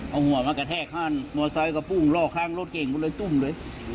เอาหัวมาแกะแทกมอเซ้ากระปุ้งรอกข้างรถเก่งเลยตุ้มเลย